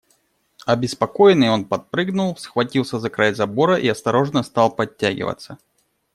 Обеспокоенный, он подпрыгнул, схватился за край забора и осторожно стал подтягиваться.